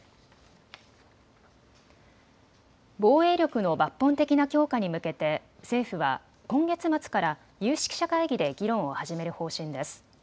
防衛力の抜本的な強化に向けて政府は今月末から有識者会議で議論を始める方針です。